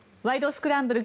スクランブル」